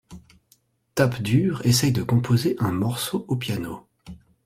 Tape Dur essaye de composer un morceau au piano.